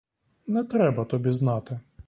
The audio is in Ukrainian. Не треба тобі знати.